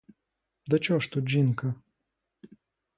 До чого ж тут жінка?